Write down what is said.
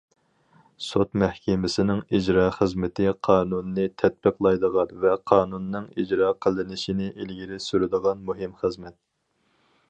سوت مەھكىمىسىنىڭ ئىجرا خىزمىتى قانۇننى تەتبىقلايدىغان ۋە قانۇننىڭ ئىجرا قىلىنىشىنى ئىلگىرى سۈرىدىغان مۇھىم خىزمەت.